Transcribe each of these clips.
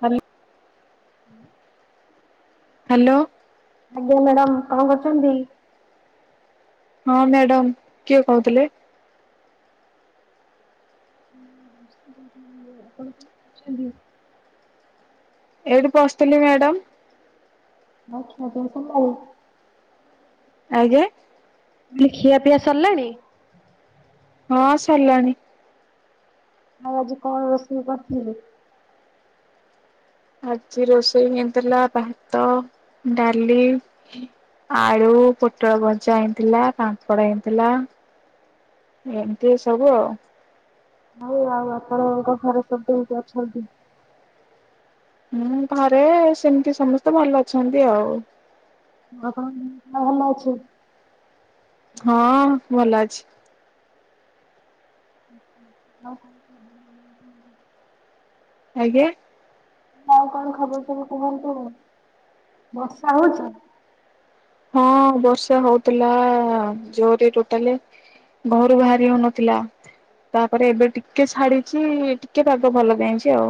Hello. Hello. ଆଜ୍ଞା madam କଣ କରୁଛନ୍ତି? ହଁ ମ୍ୟାଡାମ କିଏ କହୁଥିଲେ? ଆପଣ କଣ କରୁଛନ୍ତି? ଏଇଟି ବସଥିଲି ମ୍ୟାଡମ। ଆଚ୍ଛା ସବୁ ସରିଲାଣି। ଆଜ୍ଞା। ଖିଆ ପିଆ ସରିଲାଣି। ହଁ ସରଲାଣି। ଆଜି କଣ ରୋଷେଇ କର ଥିଲେ? ଆଜି ରୋଷେଇ ହେଥିଲା ଭାତ, ଡାଲି ଆଳୁ ପୋଟଳ ଭଜା ହେଇଥିଲା ପାମ୍ପଡ ହେଇଥିଲା। ଏମିତି ସବୁ ଆଉ। ହଉ ଆଉ ଆପଣଙ୍କ ଘର ସବୁ କିଏ ଅଛନ୍ତି? ହୁଁ ଘରେ ସେମିତି ସମସ୍ତେ ଭଲ ଅଛନ୍ତି ଆଉ। ଆପଣଙ୍କ ଦେହ ଭଲ ଅଛି? ହଁ ଭଲ ଅଛି। ହଉ। ଆଜ୍ଞା। ଆଉ କଣ ଖବର ସବୁ କୁହନ୍ତୁ ବର୍ଷା ହଉଛ। ହଁ ବର୍ଷା ହଉଥିଲା ଜୋରେ ଟୋଟାଲି ଘରୁ ବାହାରି ହଉନଥିଲା। ତାପରେ ଏବେ ଟିକେ ଛାଡିଛି ଟିକେ ପାଗ ଭଲ ଦେଇଛି ଆଉ।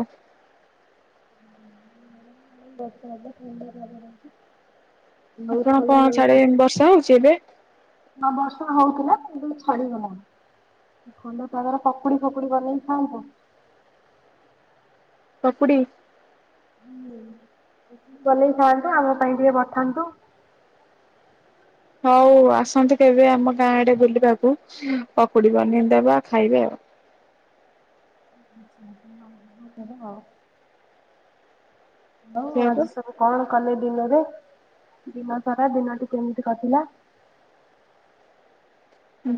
[unintelligible] ଆଉ ଆପଣ ଥଣ୍ଡା କଣ ସାଡ ଲାଗୁଛି। ବର୍ଷା ହଉଛି ଏବେ? ହଁ ବର୍ଷା ହଉଥିଲା କିନ୍ତୁ ଛଡିଗଲାଣି। ଥଣ୍ଡା ପାଗରେ ପକୁଡି ଫକୁଡି ବନେଇ ଥାଆନ୍ତ। ପକୁଡ଼ି ଚଲେଇ ଥାନ୍ତୁ ଆମ ପାଇଁ ଟିକେ ପଠାନ୍ତୁ। ହଉ ଆସନ୍ତୁ କେବେ ଆମ ଗାଁ ଆଡେ ବୁଲିବାକୁ ପକୁଡି ବନେଇଦବା ଖାଇବେ ଆଉ ହ [inaudible] ହାଲୋ ସେଇଆପା ଆଜି ସବୁ କଣ କଲେ ଦିନରେ ଦିନ ସାରା ଦିନଟି କେମିତି କଟିଲା।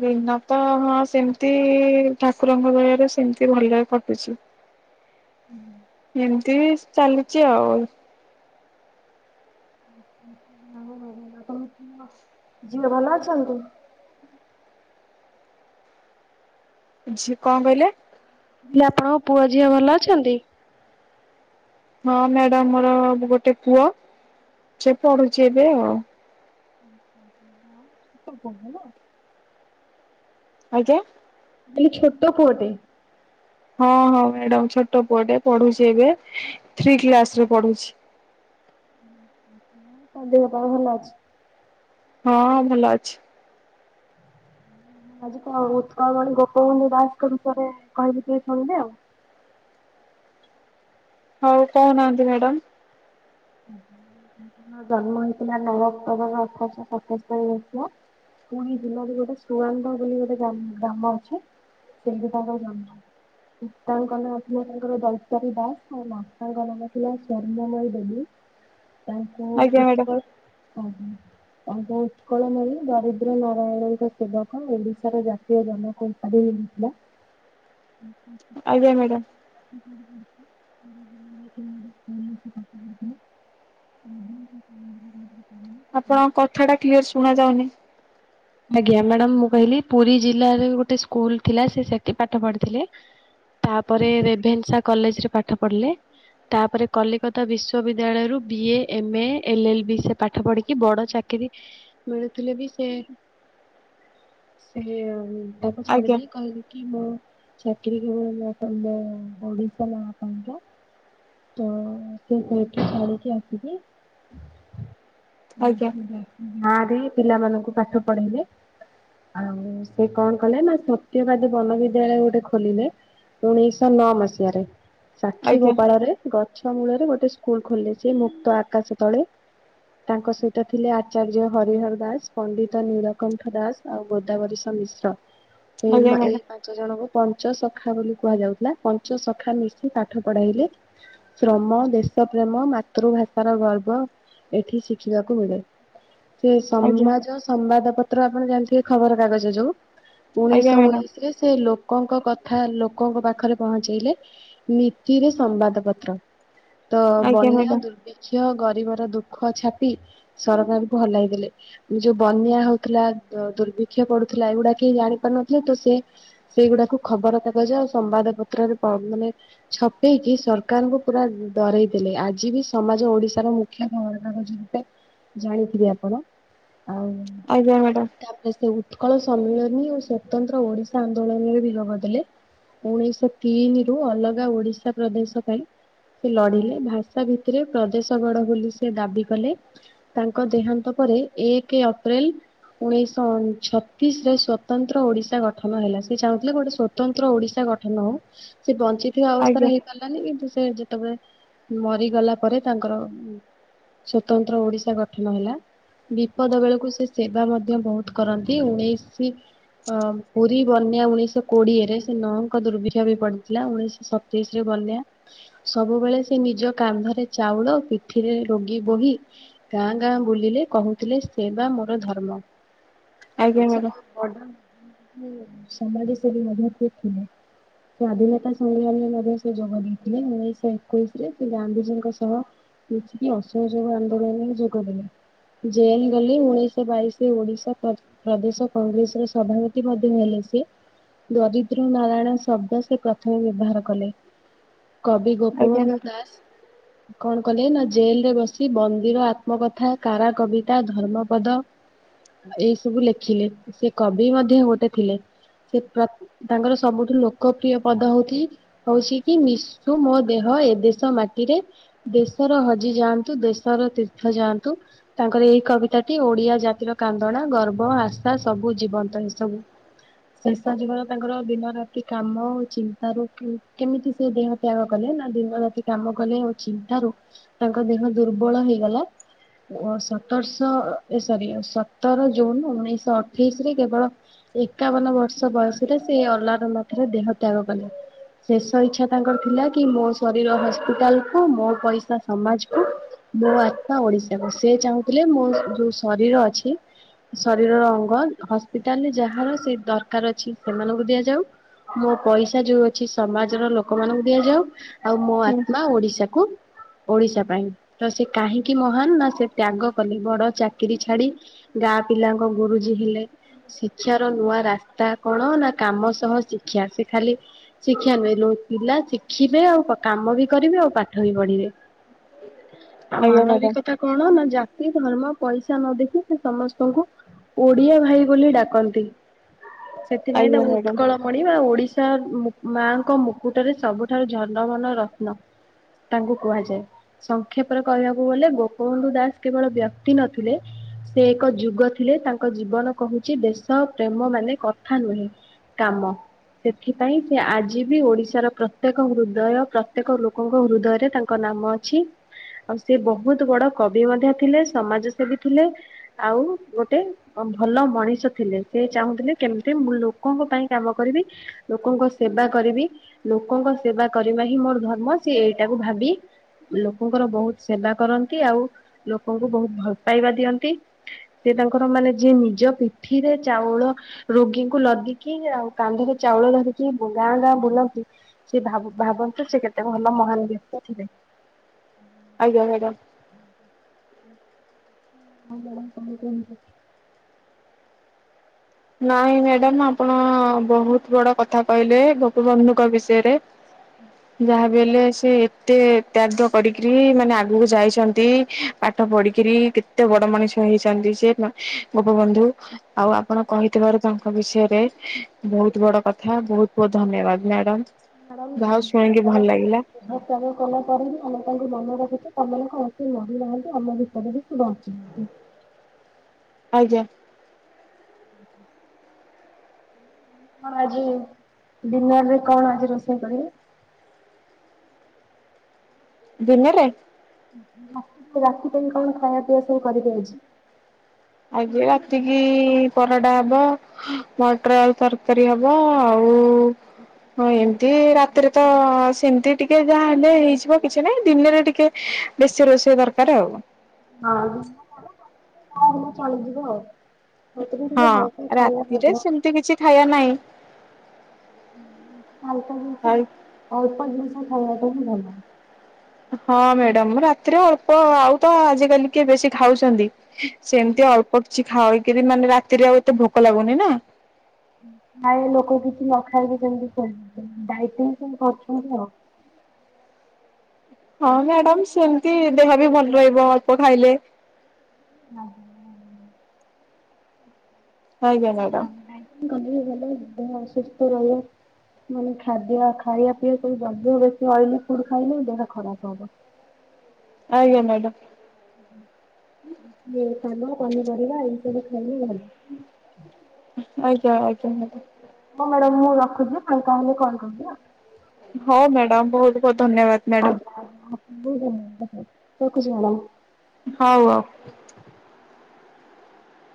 ଦିନ ତ ହଁ ସେମିତି ଠାକୁରଙ୍କ ଦୟାରେ ସେମିତି ଭଲରେ କଟୁଛି। ହ ଏମିତି ବି ଚାଲିଛି ଆଉ ହୋ ହ ହୋ ବା ଝିଅ ଭଲ ଅଛନ୍ତି? ଝି କଣ କହିଲେ? ଆପଣଙ୍କ ପୁଅ ଝିଅ ଭଲ ଅଛନ୍ତି? ହଁ ମ୍ୟାଡାମ ମୋର ଗୋଟେ ପୁଅ ସେ ପଢୁଛି ଏବେ ଆଉ ହେଲା। ଆଜ୍ଞା। ମୁଁ କହିଲି ଛୋଟ ପୁଅଟେ। ହଁ ହଁ ମ୍ୟାଡାମ ଛୋଟ ପୁଅ ଟେ ପଢୁଛି ଏବେ ଥ୍ରୀ କ୍ଲାସରେ ପଢୁଛି। ତମ ଦେହ ପା ଭଲ ଅଛି? ହଁ ଭଲ ଅଛି। ଆଜି କଣ ଉତ୍କଳମଣି ଗୋପବନ୍ଧୁ ଦାସଙ୍କ ବିଷୟରେ କହିବି ଟିକେ ଶୁଣିଲେ ଆଉ। [inaudible] ହଉ କହୁନାହାନ୍ତି ମ୍ୟାଡାାମ। ର ଜନ୍ମ ହେଇଥିଲା ନଅ ଅକ୍ଟୋବର ଅଠରଶହ ସତସ୍ତରିୀ ମସିହା। ପୁରୀ ଜିଲ୍ଲାରେ ଗୋଟେ ସୁୁଆଂଗ ବୋଲି ଗୋଟେ ଗ୍ରା ଗ୍ରାମ ଅଛି। ସେଠି ତାଙ୍କ ଜନ୍ମ। ପିତାଙ୍କ ନାଁଥିଲା ତାଙ୍କର ଦୈତାରୀ ଦାସ ଆଉ ମାତାଙ୍କ ନାମ ଥିଲା ସ୍ଵର୍ଣମୟୀ ଦେବୀ। ତାଙ୍କୁ ଆଜ୍ଞା ମ୍ୟାଡାମ ଉତ୍କଳ ଆ ତାଙ୍କୁ ଉତ୍କଳମଣି ଦରିଦ୍ର ନାରାୟଣଙ୍କ ସେବକ ଓଡିଶାର ଜାତୀୟ ଜନକୌମ୍ପାରୀ [inaudible] ଆଜ୍ଞା ମ୍ୟାଡ଼ାମ୍। ହଁ [inaudible] ହୁଁ ହୁଁ ହଁ ହଁ [inaudible] ଆପଣଙ୍କ କଥା ଟା କ୍ଲିୟର ଶୁଣା ଯାଉନି। ଆଜ୍ଞା ମ୍ୟାଡାମ ମୁଁ କହିଲି ପୁରୀ ଜିଲ୍ଲାରେ ଗୋଟେ ସ୍କୁଲ ଥିଲା ସେ ସେଠି ପାଠ ପଢିଥିଲେ। ତାପରେ ରେଭେନ୍ସା କଲେଜରେ ପାଠ ପଢିଲେ। ତାପରେ କଲିକତା ବିଶ୍ୱବିଦ୍ୟାଳୟରୁ B A M A L L B ସେ ପାଠ ପଢିକି ବଡ ଚାକି କିରି ମିଳୁଥିଲେ ବି ସେ ସେ ତାକୁ ଛାଡି ଆଜ୍ଞା ଦେଇ କହିଲେ କି ମୁଁ ଚାକିରି କର ଆପଣ ଓଡିଶାଲା ଆପଣ କ [inaudible] ତ ସେ ଏଠି ପଢିକି ଆସିକି ଆଜ୍ଞା ଗାଁରେ ପିଲାମାନଙ୍କୁ ପାଠ ପଢେଇଲେ। ଆଉ ସେ କଣ କଲେ ନା ସତ୍ୟବାଦୀ ବନବିଦ୍ୟାଳୟ ଗୋଟେ ଖୋଲିଲେ। ଉଣେଇଶ ନଅ ମସିହାରେ ସାକ୍ଷୀ ଆଜ୍ଞା ଗୋପାଳରେ ଗଛ ମୂଳରେ ଗୋଟେ ସ୍କୁଲ ଖୋଲିଛି ମୁକ୍ତ ଆକାଶ ତଳେ ତାଙ୍କ ସହିତ ଥିଲେ ଆଚାର୍ଯ୍ୟ ହରିହର ଦାସ ପଣ୍ଡିତ ନୀଳକଣ୍ଠ ଦାସ ଆଉ ଗୋଦାବରୀଷ ମିଶ୍ର ଏଇ ଆଜ୍ଞା ଏଇ ମ୍ୟାଡାମ ପାଞ୍ଚ ଜଣଙ୍କୁ ପଞ୍ଚ ସଖା ବୋଲି କୁହାଯାଉଥିଲା। ପଞ୍ଚ ସଖା ମିଶି ପାଠ ପଢାଇଲେ। ଶ୍ରମ ଦେଶ ପ୍ରେମ ମାତୃଭାଷ ର ଗର୍ବ। ଏଠି ଶିଖିବାକୁ ମିଳେ। ସେ ଆଜ୍ଞା ସମାଜ ସମ୍ବାଦ ପତ୍ର ଆପଣ ଜାଣିଥିବେ ଖବର କାଗଜ ଯୋଉ। ଆଜ୍ଞା ଉଣେଇଶହ ମ୍ୟାଡାମ ଉଣେଇଶି ରେ ସେ ଲୋ ଲୋକଙ୍କ କଥା ଲୋକଙ୍କ ପାଖରେ ପହଞ୍ଚେଇଲେ। ନୀତିରେ ସମ୍ବାଦ ପତ୍ର। ତ ଆଜ୍ଞା ବନ୍ୟା ମ୍ୟାଡାମ ଦୁର୍ଭିକ୍ଷ ଗରିବ ର ଦୁଃଖ ଛାପି ସରକାର ଙ୍କୁ ହଲାଇ ଦେଲେ ଯୋଉ ବନ୍ୟା ହଉଥିଲା ଦୁର୍ଭିକ୍ଷ ଅ ପଡୁଥିଲା, ଏଗୁଡା କେ ଜାଣି ପାରୁ ନଥିଲେ। ତ ସେ ସେଇଗୁଡାକୁ ଖବ ଖବରକାଗଜ ଆଉ ସମ୍ବାଦ ପତ୍ରରେ ପ ମାନେ ଛପେଇକି ସରକାରଙ୍କୁ ପୁରା ଡରେଇ ଦେଲେ। ଆଜି ବି ସମାଜ ଓଡିଶାର ମୁଖ୍ୟ ଖବର କାଗଜ ରୂପେ ଜାଣିଥିବେ ଆପଣ। ଆଉ ଆଜ୍ଞା ମ୍ୟାଡାମ ତାପରେ ସେ ଉଠ ସକଳ ସମ୍ମିଳନୀ ଓ ସ୍ଵତନ୍ତ୍ର ଓଡିଶା ଆନ୍ଦୋଳନରେ ବି ଯୋଗ ଦେଲେ। ଉଣେଇଶହ ତିନି ରୁ ଅଲଗା ଓଡିଶା ପ୍ରଦେଶ ପାଇଁ ସେ ଲଢିଲେ ଭାଷା ଭିତ୍ତିରେ ପ୍ରଦେଶ ଗଢ଼ ବୋଲି ସେ ଦାବି କଲେ। ତାଙ୍କ ଦେହାନ୍ତ ପରେ ଏକ ଅପ୍ରେଲ ଉଣେଇଶହ ଛତିଶ ରେ ସ୍ଵତନ୍ତ୍ର ଓଡିଶା ଗଠନ ହେଲା। ସେ ଚାହୁଁଥିଲେ ଗୋଟେ ସ୍ଵତନ୍ତ୍ର ଓଡିଶା ଗଠନ ହଉ, ସେ ବଞ୍ଚିଥିବା ଅବସ୍ଥାରେ ଆଜ୍ଞା ହେଇପାରିଲାନି। କିନ୍ତୁ ସେ ଯେତେବେଳେ ମରିଗଲା ପରେ ତାଙ୍କର ସ୍ଵତନ୍ତ୍ର ଓଡିଶା ଗଠନ ହେଲା। ବି ପଦ ବେଳକୁ ସେ ସେବା ମଧ୍ୟ ବହୁତ କରନ୍ତି। ଉଣେଇଶି ଅ ପୁରୀ ବନ୍ୟା ଉଣେଇଶହ କୋଡିଏରେ। ସେ ନଅଙ୍କ ଦୁର୍ଭିକ୍ଷ ବି ପଡିଥିଲା ଉଣେଇଶହ ସତେଇଶିରେ ବନ୍ୟା, ସବୁବେଳେ ସେ ନିଜ କାନ୍ଧରେ ଚାଉଳ ପିଠିରେ ରୋଗୀ ବୋହି ଗାଁ ଗାଁ ବୁଲିଲେ କହୁଥିଲେ ସେବା ମୋର ଧର୍ମ। [inaudible] ଆଜ୍ଞା ମ୍ୟାଡାମ [inaudible] ସମାଜ ସେବି ମଧ୍ଯ ସେ ଥିଲେ। ସ୍ଵାଧୀନତା ସମ୍ମିଳନୀରେ ମଧ୍ୟ ସେ ଯୋଗ ଦେଇଥିଲେ। ଉଣେଇଶହ ଏକୋଇଶ ରେ ସେ ଗାନ୍ଧିଜୀଙ୍କ ସହ କିଛିିବି ଅସହଯୋଗ ଆନ୍ଦୋଳନରେ ଯୋଗଦେଲେ। ଜେଲ ଗଲେ। ଉଣେଇଶହ ବାଇଶରେ ଓଡିଶା ପ୍ର ପ୍ରଦେଶ କଂଗ୍ରେସର ସଭାପତି ମଧ୍ୟ ହେଲେ ସିଏ। ଦରିଦ୍ର ନାରାୟଣ ଶବ୍ଦ ସେ ପ୍ରଥମେ ବ୍ୟବହାର କଲେ। କବି ଆଜ୍ଞା ଗୋପବନ୍ଧୁ ମ୍ୟାଡାମ ଦାସ। କଣ କଲେ ନା। ଜେଲ ରେ ବସି ବନ୍ଦିର ଆତ୍ମ କଥା କାରା କବିତା ଧର୍ମ ପଦ ଏଇ ସବୁ ଲେଖିଲେ, ସେ କବି ମଧ୍ୟ ଗୋଟେ ଥିଲେ। ସେ ପ୍ର ତାଙ୍କର ସବୁଠୁ ଲୋକପ୍ରିୟ ପଦ ହଉଛି ହଉଛି କି ନିଶୁ ମୋ ଦେହ ହ ଏ ଦେଶ ମାଟିରେ। ଦେଶର ହଜି ଯାଆନ୍ତୁ ଦେଶର ତୀର୍ଥ ଯାଆନ୍ତୁ। ତାଙ୍କର ଏଇ କବିତା ଟି, ଓଡିଆ ଜାତିର କାନ୍ଦଣା ଗର୍ବ ଆଶା ସବୁ ଜୀବନ୍ତ ଏସବୁ ଶେଷ ଜୀବନ ତାଙ୍କର ଦିନ ରାତି କାମ ଚିନ୍ତାରୁ କି କେମିତି ସେ ଦେହ ତ୍ୟାଗ କଲେ। ନା ଦିନ ରାତି କାମ କଲେ ଆଉ ଚିନ୍ତାରୁ ତାଙ୍କ ଦେହ ଦୁର୍ବଳ ହେଇଗଲା। ଓ ସତରଶହ ସରି ସତର ଜୁନ ଉଣେଇଶଶହ ଅଠେଇଶରେ କେବଳ ଏକାବନ ବର୍ଷ ବୟସରେ ସେ ଅଲାର ମଠରେ ଦେହ ତ୍ୟାଗ କଲେ। ଶେଷ ଇଛା ତାଙ୍କର ଥିଲା କି, ମୋ ଶରୀର ହସ୍ପିଟାଲ କୁ ମୋ ପଇସା ସମାଜ କୁ ମୋ ଆତ୍ମା ଓଡିଶା କୁ, ସେ ଚାହୁଁଥିଲେ ମୋ ଯୋଉ ଶରୀର ଅଛି। ଶରୀରର ଅଙ୍ଗ ହସ୍ପିଟାଲରେ ଯାହାର ସେ ଦରକାର ଅଛି, ସେମାନଙ୍କୁ ଦିଆଯାଉ। ମୋ ପଇସା ଯୋଉ ଅଛି ସମାଜର ଲୋକମାନଙ୍କୁ ଦିଆଯାଉ। ଆଉ ମୋ ହୁଁ ଆତ୍ମା ଓଡିଶାକୁ ଓଡିଶା ପାଇଁ। ତ ସେ କାହିଁକି ମ ହାନ ବା ସେ ତ୍ୟାଗ କଲେ। ବଡ ଚାକିରି ଛାଡି ଗାଁ ପିଲାଙ୍କ ଗୁରୁଜୀ ହେଲେ। ଶିକ୍ଷାର ନୂଆ ରାସ୍ତା କଣ ନା କାମ ସହ ଶିକ୍ଷା। ସେ ଖାଲି ଶିକ୍ଷା ନୁହେଁ ଲ ପିଲା ଶିଖିବେ ଆଉ କାମ ବି କରିବେ ଆଉ ପାଠ ବି ପଢିବେ। ଆଉ ଆଜ୍ଞା ମ୍ୟାଡାମ ମାନବିକ କଣ ନା, ଜାତି ଧର୍ମ ପଇସା ନ ଦେଖି ସେ ସମସ୍ତଙ୍କୁ ଓଡିଆ ଭାଇ ବୋଲି ଡାକନ୍ତି। ସେଥିପାଇଁ ଆଜ୍ଞା ତାକୁ ମ୍ୟାଡାମ ଉତ୍କଳ ମଣି ବା ଓଡି ଶା, ମାଙ୍କ ମୁକୁଟରେ ସବୁଠାରୁ ଝନମନ ରତ୍ନ। ତାଙ୍କୁ କୁହାଯାଏ। ଗୋପବନ୍ଧୁ ଦାଶ୍ କେବଳ ବ୍ୟ ସେ ଏକ ଯୁଗ ଥିଲେ ତାଙ୍କ ଜୀବନ କହୁଚି ଦେଶ ପ୍ରେମ ମାନେ କଥା ନୁହେଁ। କାମ। ସେଥିପାଇଁ ସେ ଆଜି ବି ଓଡିଶାର ପ୍ରତ୍ୟେକ ହୃଦୟ ପ୍ରତ୍ୟେକ ଲୋକଙ୍କ ହୃଦୟରେ ତାଙ୍କ ନା କାମ ଅଛି ଆଉ ସେ ବହୁତ୍ ବଡ କବି ମଧ୍ୟ ଥିଲେ ସମାଜସେବୀ ଥିଲେ ଆଉ ଗୋଟେ ଭଲ ମଣିଷ ଥିଲେ ସେ। ସେ ଚାହୁଁଥିଲେ କେମିତି ମୁଁ ଲୋକଙ୍କ ପାଇଁ କାମ କରିବି ଲୋକଙ୍କ ସେବା କରିବି ଲୋକଙ୍କ ସେବା କରିବା ହିଁ ମୋର ଧର୍ମ ସିଏ ଏଇଟାକୁ ଭାବି ଲୋକଙ୍କର ବହୁତ୍ ସେବା କରନ୍ତି ଆଉ ଲୋକଙ୍କୁ ବହୁତ୍ ଭଲ ପାଇବା ଦିଅନ୍ତି। ସେ ତାଙ୍କର ମାନେ ଯିଏ ନିଜ ପିଠିରେ ଚାଉଳ ରୋଗୀଙ୍କୁ ଲଦିକି ଆଉ କାନ୍ଧରେ ଚାଉଳ ଧରିକି ଗାଁ ଗାଁ ବୁଲନ୍ତି ସେ ଭାବ ଭାବନ୍ତୁ ସେ କେତେ ଭଲ ମହାନ ବ୍ୟକ୍ତି ଥିଲେ। ହୁଁ ଆଜ୍ଞା ମ୍ୟାଡ଼ାମ୍। [unintelligible] ନାଇଁ ମ୍ୟାଡ଼ାମ ଆପଣ ବହୁତ ବଡ କଥା କହିଲେ ଗୋପବନ୍ଧୁଙ୍କ ବିଷୟରେ। [inaudible] ଯାହାବି ହେଲେ ସେ କେତେ ତ୍ୟାଗ କରିକିରି ମାନେ ଆଗକୁ ଯାଇଛନ୍ତି ପାଠ ପଢିକିରି କେତେ ବଡ ମଣିଷ ହେଇଛନ୍ତି ସେ ଗୋପବନ୍ଧୁ ଆଉ ଆପଣ କହିଥିବାରୁ ତାଙ୍କ ବିଷୟରେ ବହୁତ ବଡ କଥା ବହୁତ ବହୁତ ଧନ୍ୟବାଦ ମ୍ୟାଡାମ। ମ୍ୟାଡାମ ଯାହା ହଉ ଶୁଣିକି ଭଲ ଲାଗିଲା ଦେହ ତ୍ୟାଗ କଲା ପରେ ବି ଆମେ ତାଙ୍କୁ ମନେ ରଖିଛୁ। ଆମ [unintelligible] ଆମ ଭିତରେ ସେ ବଞ୍ଚିଛନ୍ତି। ଆଜ୍ଞା। କଣ ଆଜି ଡିିନରରେ କଣ ଆଜି ରୋଷେଇ କରିବେ? ଡ଼ିନେର ରେ? ରା ରାତି ପାଇଁ କଣ ଖାଇବା ପିଇବା ସବୁ କରିବେ ଆଜି? ଆଜି ରାତିକି ପରଟା ହବ, ମଟର ଆଳୁ ତରକାରୀ ହବ, ଆଉ ଉଁ। ହଁ ଏମିତି ରାତିରେ ତ ସେମିତି ଟିକେ ଯାହା ହେଲେ ହେଇଯିବ କିଛି ନାଇଁ ଦିନରେ ଟିକେ ବେଶୀ ରୋଷେଇ ଦରକାର ଆଉ। ହଁ। ହଉ ତମେ ଟିକେ ହଁ ରାତିରେ [unintelligible] ସେମିତି କିଛି ଖାଇବା ନାହିଁ। ହୁଁ ହାଲକାଫୁଲକା ଆଉ। ଅଳ୍ପ ଜିନିଷ ଖାଇବାଟା ହିଁ ଭଲ। ହଁ ମ୍ୟାଡାମ ରାତିରେ ଅଳ୍ପ ଆଉ ତ ଆଜିକାଲି କିଏ ବେଶୀ ଖାଉଛନ୍ତି? ସେମିତି ଅଳ୍ପ କିଛି ଖାଇକିରି ମାନେ ରାତିରେ ଆଉ ଏତେ ଭୋକ ଲାଗୁନି ନା। ପ୍ରାୟ ଲୋକ କିଛି ନ ଖାଇକି କେମିତି ଡ଼ାଏ ଟିଙ୍ଗ କେମିତି କରୁଛନ୍ତି ଆଉ। [inaudible] ହଁ ମ୍ୟାଡାମ ସେମତି ଦେହ ବି ଭଲ ରହିବ ଅଳ୍ପ ଖାଇଲେ। ହଁ। ଆଜ୍ଞା ମ୍ୟାଡ଼ାମ୍। ଡାଇଟିଂ କଲେ ବି ଭଲ ଦେହ ଅସୁସ୍ଥ ରହିବ। ମାନେ ଖାଦ୍ୟ ଖାଇବା ପିଇବା ସବୁ ଯଦି ବେଶ ଅଏଲି ଫୁଡ ଖାଇଲେ ଦେହ ଖରାପ ହବ। [unintelligible] ଆଜ୍ଞା ମ୍ୟାଡାମ୍। ଶାଗ, ପନିପରିବା ଏମିତି ସବୁ ଖାଇଲେ ଭଲ। ଆଜ୍ଞା ଆଜ୍ଞା। ହଉ ମ୍ୟାଡାମ ମୁଁ ରଖୁଛି ମୁଁ ଫାଙ୍କା ହେଲେ କଲ୍ କରିବି ହେଲା। ହଉ ମ୍ୟାଡ଼ାମ ବହୁତ ବହୁତ ଧନ୍ୟବାଦ ମ୍ୟାଡାମ। ଆଜ୍ଞା। ରଖୁଛି ମ୍ୟାଡାମ। ହଉ ଆଉ।